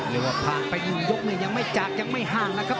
วันยกเรี้ยงไม่จากยังไม่ห่างนะครับ